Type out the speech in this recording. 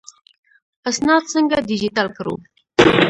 اسناد څنګه ډیجیټل کړو؟